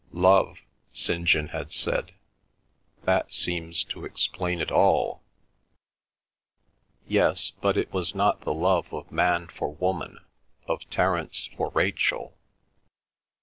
"Love," St. John had said, "that seems to explain it all." Yes, but it was not the love of man for woman, of Terence for Rachel.